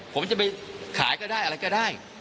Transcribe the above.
ผมจะไปขายก็ได้อะไรก็ได้